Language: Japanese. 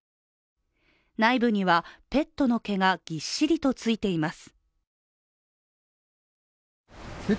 内部にはペットの毛がぎっしりとついています。